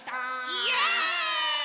イエーイ！